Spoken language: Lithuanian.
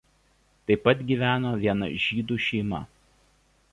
Taip pat gyveno viena žydų šeima.